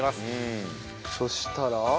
そしたら。